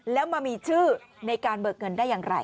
แล้วมามีชื่อในการเบิกเงินได้อย่างไร